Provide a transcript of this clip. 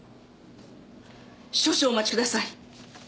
少々お待ちください。